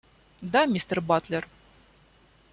Да, мистер Батлер.